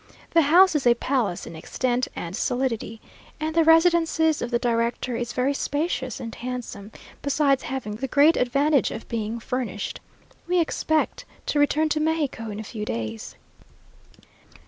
The house is a palace in extent and solidity; and the residence of the director is very spacious and handsome, besides having the great advantage of being furnished. We expect to return to Mexico in a few days.